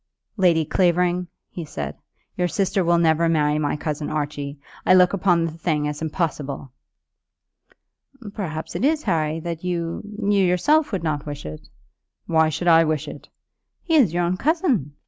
"Lady Clavering," he said, "your sister will never marry my cousin Archie. I look upon the thing as impossible." "Perhaps it is, Harry, that you, you yourself would not wish it." "Why should I wish it?" "He is your own cousin."